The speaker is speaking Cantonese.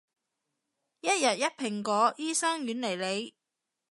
一日一蘋果，醫生遠離你